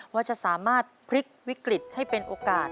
ว่าจะสามารถพลิกวิกฤตให้เป็นโอกาส